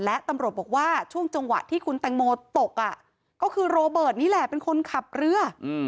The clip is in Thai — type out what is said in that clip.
และตำรวจบอกว่าช่วงจังหวะที่คุณแตงโมตกก็คือโรเบิร์ตนี่แหละเป็นคนขับเรือ